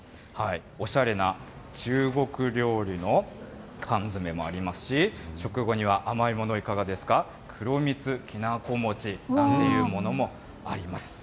おしゃれな中国料理の缶詰もありますし、食後には甘いものいかがですか、黒みつきなこ餅なんていうものもあります。